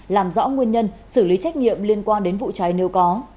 làm rõ nguyên nhân xử lý trách nhiệm liên quan đến vụ cháy nếu có